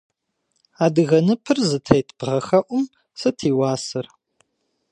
Адыгэ ныпыр зытет бгъэхэӏум сыт и уасэр?